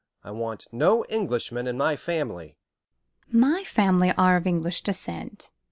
I want no Englishman in my family." "My family are of English descent."